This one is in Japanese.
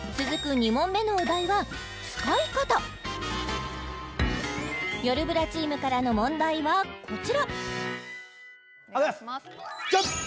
２問目のお題はよるブラチームからの問題はこちら開けますドン！